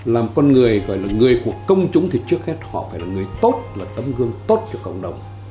làm con người gọi là người của công chúng thì trước hết họ phải là người tốt là tấm gương tốt cho cộng đồng